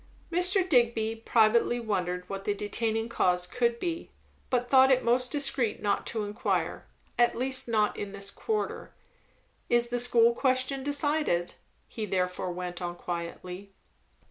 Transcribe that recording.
Mr. Digby privately wondered what the detaining cause could be, but thought it most discreet not to inquire; at least, not in this quarter. "Is the school question decided?" he therefore went on quietly.